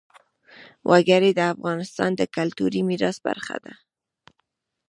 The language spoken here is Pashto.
وګړي د افغانستان د کلتوري میراث برخه ده.